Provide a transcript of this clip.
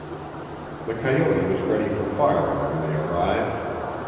The coyote was ready for firing when they arrived.